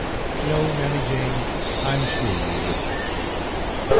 "No, Mammy Jane, I'm sure you wouldn't."